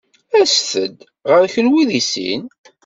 Aset-d ɣer kenwi deg sin.